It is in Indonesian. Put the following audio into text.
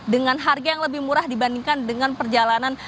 dengan harga yang lebih murah dibandingkan dengan perjalanan